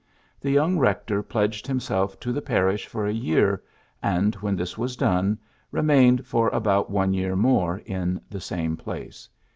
The young rector pledged himself to the parish for a year, and, when this was done, remained for about one year more in the same place.